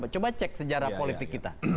coba cek sejarah politik kita